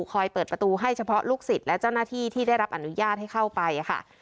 เปิดประตูให้เฉพาะลูกศิษย์และเจ้าหน้าที่ที่ได้รับอนุญาตให้เข้าไปค่ะ